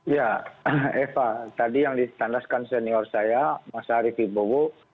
ya eva tadi yang ditandaskan senior saya mas arief ibowo